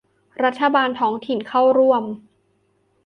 รัฐบาลท้องถิ่นเข้าร่วม